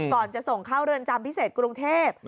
ก่อนจะส่งเข้าเรือนจำพิเศษกรุงเทพ